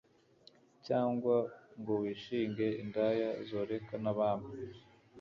cyangwa ngo wishinge indaya zoreka n’abami